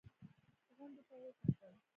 غونډۍ ته يې وکتل.